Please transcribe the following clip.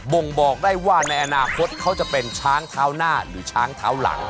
่งบอกได้ว่าในอนาคตเขาจะเป็นช้างเท้าหน้าหรือช้างเท้าหลัง